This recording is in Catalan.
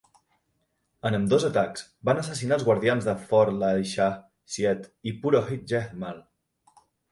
En ambdós atacs, van assassinar els guardians de Fort Lalshah Syed i Purohit Jethmal.